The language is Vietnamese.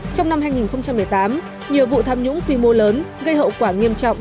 trong năm hai nghìn một mươi tám nhiều vụ tham nhũng quy mô lớn gây hậu quả nghiêm trọng